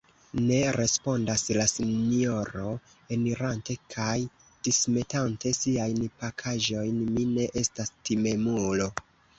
Ne, respondas la sinjoro, enirante kaj dismetante siajn pakaĵojn, mi ne estas timemulo!